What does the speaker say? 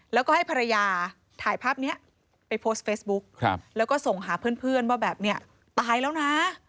แล้วก็ให้ภรรยาถ่ายภาพนี้ไปโพสต์เฟซบุ๊กแล้วก็ส่งหาเพื่อนว่าแบบนี้ตายแล้วนะ